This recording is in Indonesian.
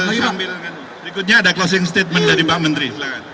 berikutnya ada closing statement dari pak menteri